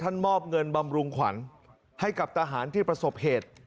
ท่านมอบเงินแบรมลุงขวัญให้กับตาหารที่ประศพเหตุ